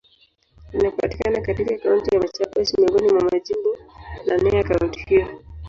Linapatikana katika Kaunti ya Machakos, miongoni mwa majimbo naneya kaunti hiyo.